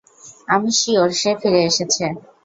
আমি সিউর, সে ফিরে এসেছে!